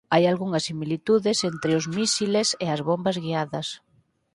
Hai algunhas similitudes entre os mísiles e as bombas guiadas.